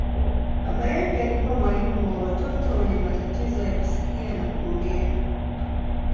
Baba yake alikuwa mwalimu wa watoto wenye matatizo ya kusikia na kuongea.